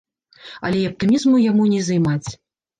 Але і аптымізму яму не займаць.